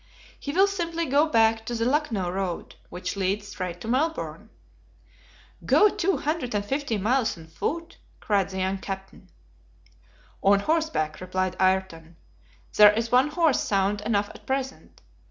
"He will simply go back to the Lucknow Road which leads straight to Melbourne." "Go two hundred and fifty miles on foot!" cried the young Captain. "On horseback," replied Ayrton. "There is one horse sound enough at present.